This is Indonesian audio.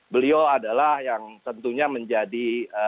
beliau adalah yang tentunya menjadi